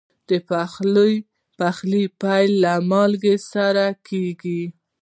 د پخلي پیل له مالګې سره کېږي.